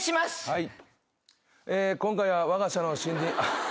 はい。